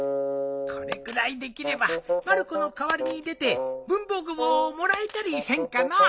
これくらいできればまる子の代わりに出て文房具ももらえたりせんかの？